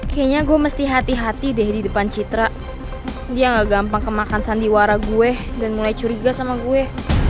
kayaknya gue mesti hati hati deh di depan citra dia gak gampang kemakan sandiwara gue dan mulai curiga sama gue